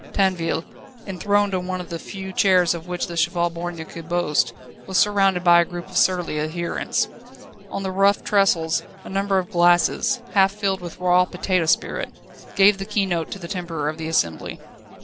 Tinville, enthroned on one of the few chairs of which the Cheval Borgne could boast, was surrounded by a group of surly adherents. On the rough trestles a number of glasses, half filled with raw potato spirit, gave the keynote to the temper of the assembly.